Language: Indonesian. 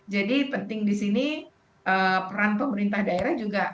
jadi penting di sini peran pemerintah daerah juga